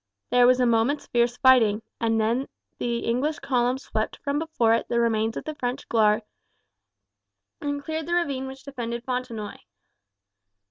There was a moment's fierce fighting, and then the English column swept from before it the remains of the French guard, and cleared the ravine which defended Fontenoy.